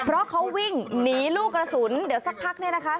เพราะเขาวิ่งหนีลูกกระสุนเดี๋ยวสักพักเนี่ยนะคะ